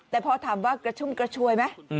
แต่พอถามว่ากระชุ่มกระชวยไหม